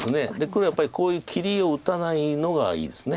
黒はやっぱりこういう切りを打たないのがいいです。